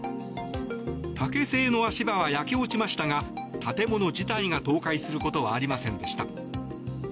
竹製の足場は焼け落ちましたが建物自体が倒壊することはありませんでした。